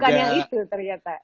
bukan yang itu ternyata